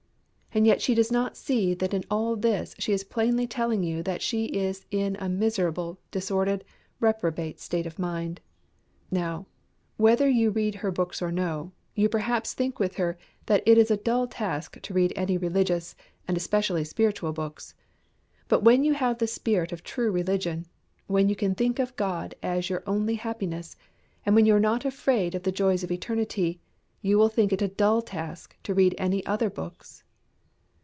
And yet she does not see that in all this she is plainly telling you that she is in a miserable, disordered, reprobate state of mind. Now, whether you read her books or no, you perhaps think with her that it is a dull task to read only religious and especially spiritual books. But when you have the spirit of true religion, when you can think of God as your only happiness, when you are not afraid of the joys of eternity, you will think it a dull task to read any other books.